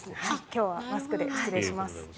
今日はマスクで失礼します。